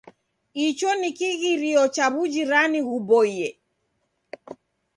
Icho ni kighirio cha w'ujirani ghuboie.